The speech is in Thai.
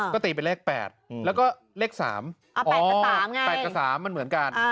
ก็ตีไปเลข๘แล้วก็เลข๓อ๋อ๘กับ๓ไง๘กับ๓มันเหมือนกัน